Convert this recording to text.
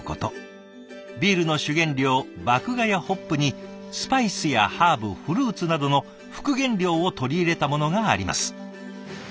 ビールの主原料麦芽やホップにスパイスやハーブフルーツなどの副原料を取り入れたものがあります。